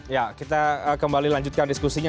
ya kita kembali lanjutkan diskusinya